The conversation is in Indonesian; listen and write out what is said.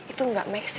itu gak make sense pi